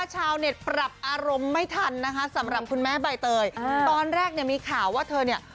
ชาวเน็ตปรับอารมณ์ไม่ทันนะคะสำหรับคุณแม่ใบเตยตอนแรกเนี่ยมีข่าวว่าเธอเนี่ย